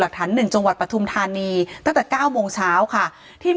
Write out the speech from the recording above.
หลักถัน๑จังหวัดประทุมธารณีตั้งแต่๙โมงเช้าค่ะทีม